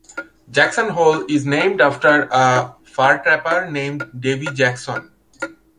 Jackson Hole is named after a fur trapper named Davey Jackson.